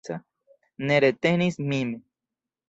Ne retenis min.